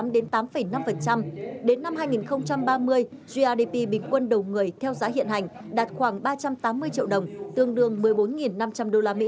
đến năm hai nghìn ba mươi grdp bình quân đầu người theo giá hiện hành đạt khoảng ba trăm tám mươi triệu đồng tương đương một mươi bốn năm trăm linh usd